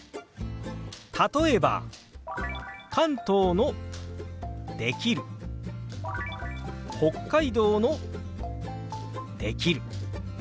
例えば関東の「できる」北海道の「できる」。